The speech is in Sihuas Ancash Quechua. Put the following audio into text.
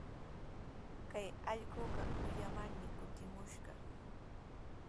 Kay allquqa kuyamarmi kutimushqa.